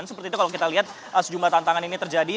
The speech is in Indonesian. seperti itu kalau kita lihat sejumlah tantangan ini terjadi